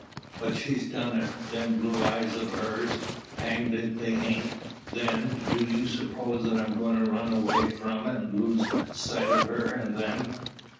But she's done it them blue eyes of hers; hanged if they hain't! Then, do you suppose that I'm going to run away from, and lose sight o' her and them?